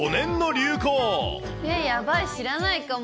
えー、やばい、知らないかも。